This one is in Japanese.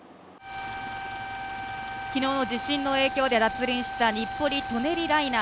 昨日も地震の影響で脱輪した日暮里舎人ライナー